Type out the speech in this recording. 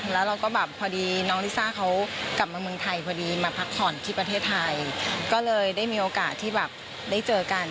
แล้วเราก็แบบพอดีน้องลิซ่าเขากลับมาเมืองไทยพอดีมาพักผ่อนที่ประเทศไทยก็เลยได้มีโอกาสที่แบบได้เจอกัน